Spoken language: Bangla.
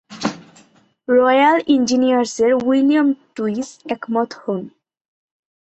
রয়্যাল ইঞ্জিনিয়ার্সের উইলিয়ম টুইস একমত হন।